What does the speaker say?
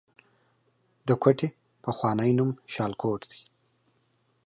د کوټې پخوانی نوم شالکوټ دی